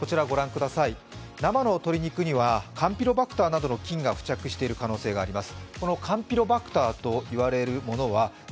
生の鶏肉にはカンピロバクターなどの菌が付着しているおそれがあります。